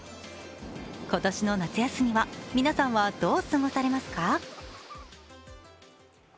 今年の夏休みは皆さんはどう過ごされますか？